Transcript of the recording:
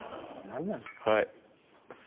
何なんすか？